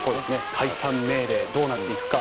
解散命令がどうなっていくのか